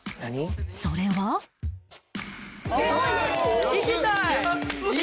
それは行きたい！